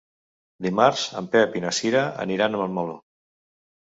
Dimarts en Pep i na Cira aniran a Montmeló.